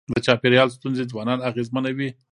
د چاپېریال ستونزي ځوانان اغېزمنوي.